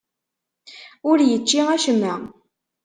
Ur yečči acemma.